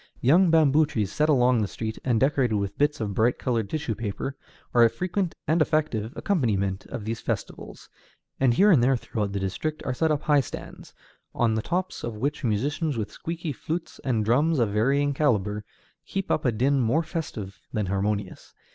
Young bamboo trees set along the street, and decorated with bits of bright colored tissue paper, are a frequent and effective accompaniment of these festivals, and here and there throughout the district are set up high stands, on the tops of which musicians with squeaky flutes, and drums of varying calibre, keep up a din more festive than harmonious.